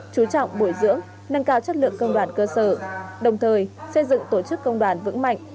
chú trọng bồi dưỡng nâng cao chất lượng công đoàn cơ sở đồng thời xây dựng tổ chức công đoàn vững mạnh